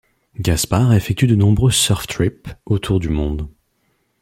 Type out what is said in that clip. Gaspard effectue de nombreux surf trip autour du monde.